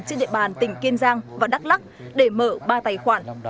trên địa bàn tỉnh kiên giang và đắk lắc để mở ba tài khoản